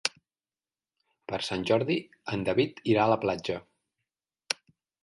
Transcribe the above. Per Sant Jordi en David irà a la platja.